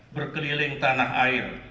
berkeliling tanah air